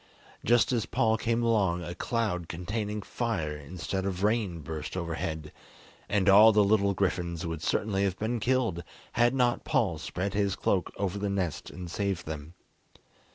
Just as Paul came along a cloud containing fire instead of rain burst overhead, and all the little griffins would certainly have been killed had not Paul spread his cloak over the nest and saved them.